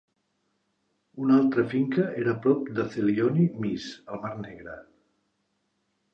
Una altra finca era prop de Zelyony Myss, al mar Negre.